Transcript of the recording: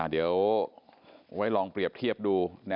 เดี๋ยวไว้ลองเปรียบเทียบดู